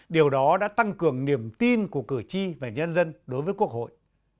điều đó đã tăng cường niềm tin của cử tri và nhân dân đối với quốc hội